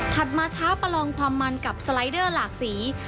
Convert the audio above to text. มาท้าประลองความมันกับสไลเดอร์หลากสี